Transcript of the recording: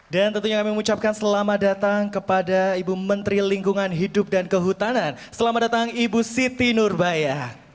dan tentunya kami ucapkan selamat datang kepada ibu menteri lingkungan hidup dan kehutanan selamat datang ibu siti nurbaya